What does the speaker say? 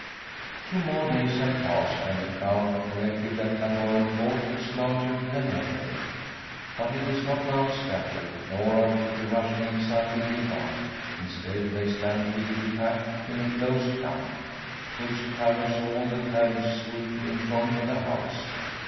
Two more days have passed, and the crowd collected at Llangorren Court is larger than ever. But it is not now scattered, nor are people rushing excitedly about; instead, they stand thickly packed in a close clump, which covers all the carriage sweep in front of the house.